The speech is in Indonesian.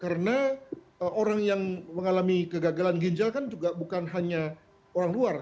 karena orang yang mengalami kegagalan ginjal kan juga bukan hanya orang luar